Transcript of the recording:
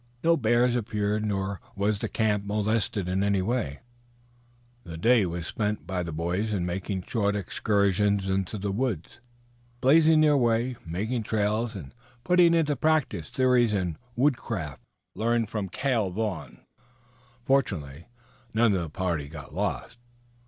No bears appeared, nor was the camp molested in any other way. That day was spent by the boys in making short excursions into the woods, blazing their way, making trails, and putting into practice the theories in woodcraft learned from Cale Vaughn. Fortunately none of the party got lost.